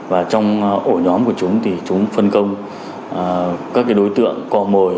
và trong ổ nhóm của chúng thì chúng phân công các đối tượng cò mồi